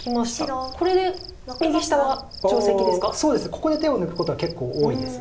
ここで手を抜くことは結構多いです。